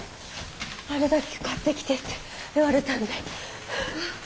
あるだけ買ってきてって言われたんで。